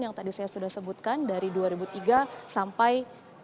yang tadi saya sudah sebutkan dari dua ribu tiga sampai dua ribu dua puluh